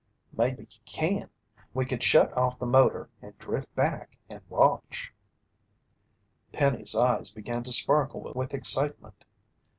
"Maybe ye kin. We could shut off the motor and drift back and watch." Penny's eyes began to sparkle with excitement.